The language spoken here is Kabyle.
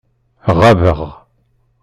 Ɣabeɣ.